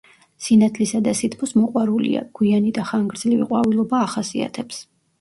სინათლისა და სითბოს მოყვარულია; გვიანი და ხანგრძლივი ყვავილობა ახასიეთებს.